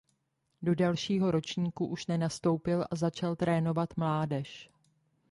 Do dalšího ročníku už nenastoupil a začal trénovat mládež.